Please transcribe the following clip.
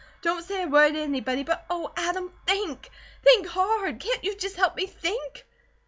Don't say a word to anybody, but Oh, Adam, THINK! Think HARD! Can't you just help me THINK?"